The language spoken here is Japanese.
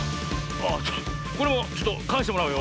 あっこれもちょっとかえしてもらうよ。